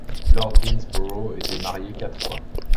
Lord Gainsborough était marié quatre fois.